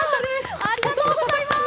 ありがとうございます！